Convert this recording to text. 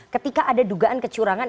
ketika ada dugaan kecurangan